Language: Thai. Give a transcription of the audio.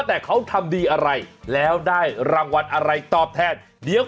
และทีมงานทุกคนด้วย